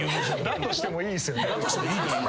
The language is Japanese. だとしてもいいですよね。